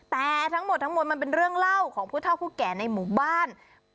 แต่ทั้งหมดทั้งหมดมันเป็นเรื่องเล่าของผู้เท่าผู้แก่ในหมู่บ้าน